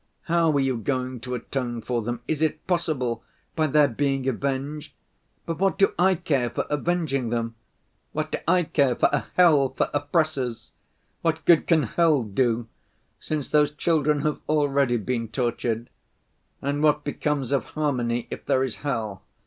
How are you going to atone for them? Is it possible? By their being avenged? But what do I care for avenging them? What do I care for a hell for oppressors? What good can hell do, since those children have already been tortured? And what becomes of harmony, if there is hell?